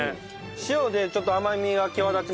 塩でちょっと甘みが際立ちますよね。